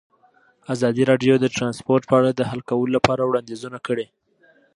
ازادي راډیو د ترانسپورټ په اړه د حل کولو لپاره وړاندیزونه کړي.